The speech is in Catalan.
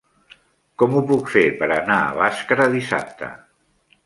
Com ho puc fer per anar a Bàscara dissabte?